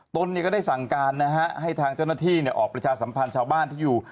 ตนก็ได้สั่งการนะฮะให้ทางเจ้าหน้าที่ออกประชาสัมพันธ์ชาวบ้านที่อยู่